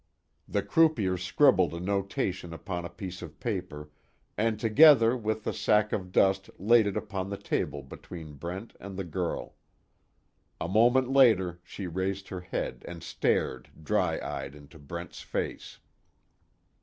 The croupier scribbled a notation upon a piece of paper and together with the sack of dust laid it upon the table between Brent and the girl. A moment later she raised her head and stared, dry eyed into Brent's face.